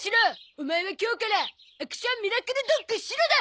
オマエは今日からアクションミラクルドッグ・シロだ！